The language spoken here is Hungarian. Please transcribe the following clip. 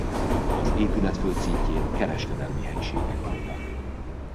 Az épület földszintjén kereskedelmi helyiségek voltak.